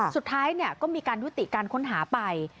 สุดท้ายก็มีการยุติการค้นหาไป